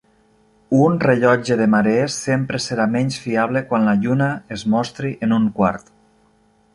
Un rellotge de marees sempre serà menys fiable quan la lluna es mostri en un quart.